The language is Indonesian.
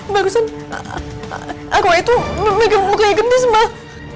barusan arwah itu memegang muka igem dis emang